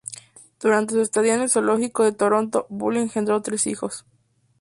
Durante su estadía en el zoológico de Toronto, Bull engendró tres hijos.